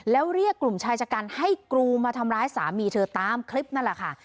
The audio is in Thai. แล้วเรียกกลุ่มชายชะกันให้กรูมาทำร้ายสามีเธอตามคลิปนั่นแหละค่ะ